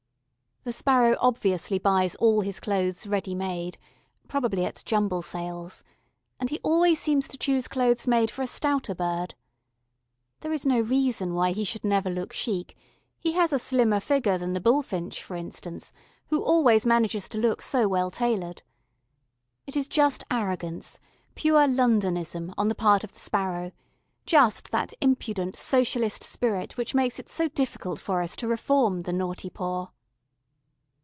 The sparrow obviously buys all his clothes ready made, probably at Jumble Sales, and he always seems to choose clothes made for a stouter bird. There is no reason why he should never look chic; he has a slimmer figure than the bullfinch, for instance, who always manages to look so well tailored. It is just arrogance, pure Londonism, on the part of the sparrow, just that impudent socialistic spirit that makes it so difficult for us to reform the Naughty Poor.